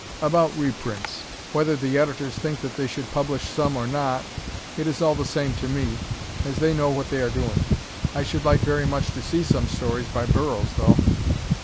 About reprints: whether the Editors think that they should publish some or not, it is all the same to me, as they know what they are doing. I should like very much to see some stories by Burroughs, though.